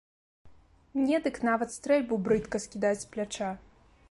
Мне дык нават стрэльбу брыдка скідаць з пляча.